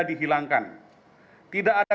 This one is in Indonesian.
dihilangkan tidak ada